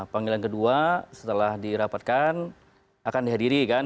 panggilan kedua setelah dirapatkan akan dihadiri kan